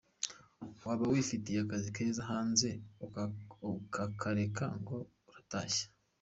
Waba wifitiye akazi keza hanze ukakareka ngo uratashye ?